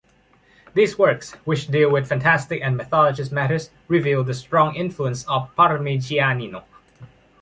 These works, which deal with fantastic and mythologist matters, reveal the strong influence of Parmigianino.